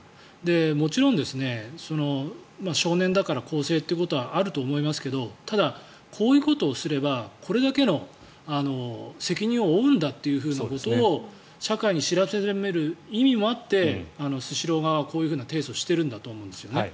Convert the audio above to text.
もちろん、少年だから更生ということはあると思いますがただ、こういうことをすればこれだけの責任を負うんだってことを社会に知らしめる意味もあってスシロー側はこういう提訴をしていると思うんですよね。